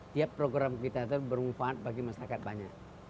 tiap program kita itu bermanfaat bagi masyarakat banyak